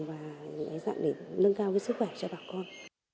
và dạng để nâng cao sức khỏe cho bà con